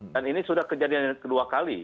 dan ini sudah kejadian yang kedua kali